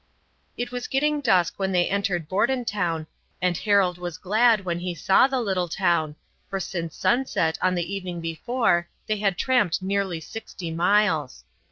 It was getting dusk when they entered Bordentown, and Harold was glad when he saw the little town, for since sunset on the evening before they had tramped nearly sixty miles.